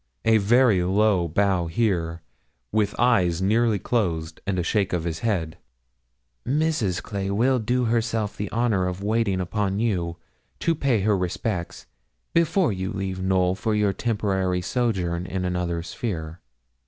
A very low bow here, with eyes nearly closed, and a shake of the head. 'Mrs. Clay will do herself the honour of waiting upon you, to pay her respects, before you leave Knowl for your temporary sojourn in another sphere.'